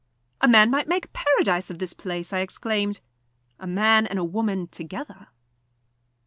"A man might make a paradise of this place," I exclaimed. "A man and a woman together!"